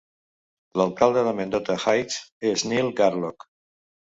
L'alcalde de Mendota Heights és Neil Garlock.